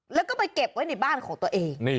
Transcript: แล้วก็ไปเก็บไว้ในบ้านของตัวเอง